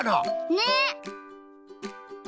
ねっ！